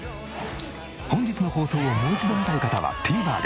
本日の放送をもう一度見たい方はＴＶｅｒで。